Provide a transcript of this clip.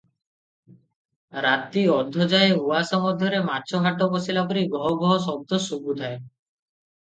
ରାତି ଅଧଯାଏ ଉଆସ ମଧ୍ୟରେ ମାଛ ହାଟ ବସିଲା ପରି ଘୋ ଘୋ ଶବ୍ଦ ଶୁଭୁଥାଏ ।